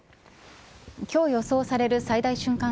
今日、予想される最大瞬間